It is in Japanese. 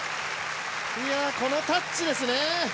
このタッチですね！